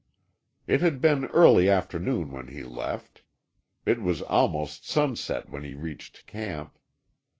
It had been early afternoon when he left. It was almost sunset when he reached camp.